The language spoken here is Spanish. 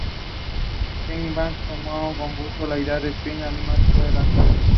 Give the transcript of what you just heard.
Fairbanks tomó con gusto la idea y Speaking of Animals fue lanzado.